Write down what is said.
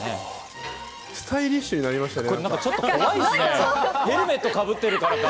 スタイリッシュになりましたね。